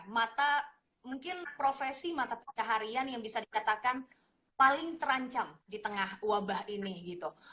mata mungkin profesi mata pencaharian yang bisa dikatakan paling terancam di tengah wabah ini gitu